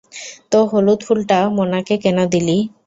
তাে, হলুদ ফুলটা মোনাকে কেন দিলি?